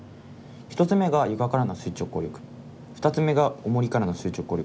１つ目が床からの垂直抗力２つ目がおもりからの垂直抗力。